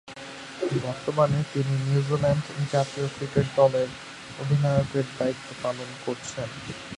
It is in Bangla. বর্তমানে তিনি নিউজিল্যান্ড জাতীয় ক্রিকেট দলের অধিনায়কের দায়িত্ব পালন করছেন।